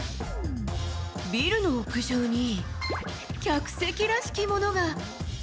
ビルの屋上に客席らしきものが。